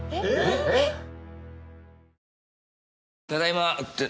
えっ？